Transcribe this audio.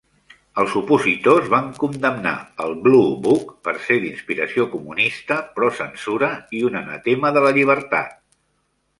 Els opositors van condemnar el Blue Book per ser d'inspiració comunista, pro-censura i un anatema de la llibertat.